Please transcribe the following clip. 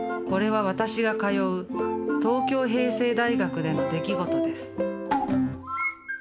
これは私が通う東京平成大学での出来事です。